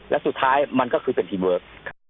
และสุดท้ายมันก็คือเป็นทีมเวิร์ค